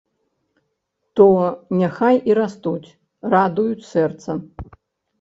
То няхай і растуць, радуюць сэрца.